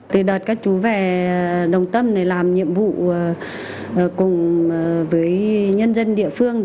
từ đợt các chú về đồng tâm làm nhiệm vụ cùng với nhân dân địa phương